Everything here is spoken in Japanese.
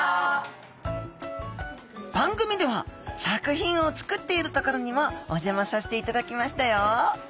番組では作品を作っているところにもお邪魔させていただきましたよ。